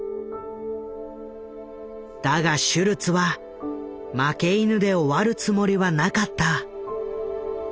だがシュルツは負け犬で終わるつもりはなかった。